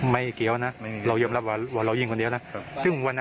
ไม่เกี่ยวกับหุ่นหน้า